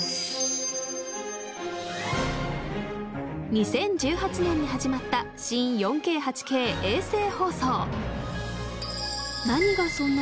２０１８年に始まった新４Ｋ８Ｋ衛星放送。